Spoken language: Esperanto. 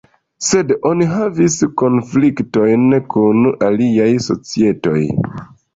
Sed oni havis konfliktojn kun aliaj societoj.